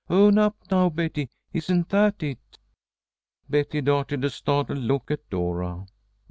Own up now, Betty. Isn't that it?" Betty darted a startled look at Dora.